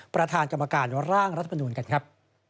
ประธานกรรมการร่างรัฐมนูลกันครับ